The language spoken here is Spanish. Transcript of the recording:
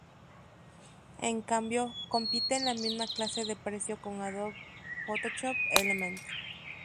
En cambio, compite en la misma clase de precio con Adobe Photoshop Elements.